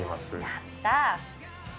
やった。